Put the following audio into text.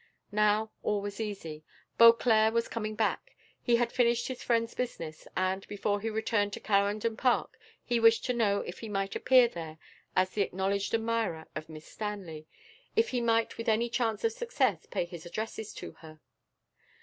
Now all was easy. Beauclerc was coming back: he had finished his friend's business, and, before he returned to Clarendon Park he wished to know if he might appear there as the acknowledged admirer of Miss Stanley if he might with any chance of success pay his addresses to her.